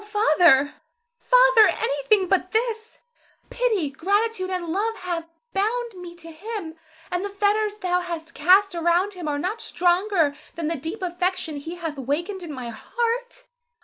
Oh, Father, Father, anything but this! Pity, gratitude, and love have bound me to him, and the fetters thou hast cast around him are not stronger than the deep affection he hath wakened in my heart.